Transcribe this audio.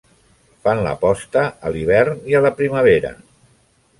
Fan la posta a l'hivern i la primavera.